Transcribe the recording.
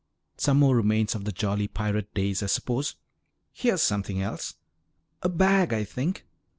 "Some more remains of the jolly pirate days, I suppose." "Here's something else. A bag, I think.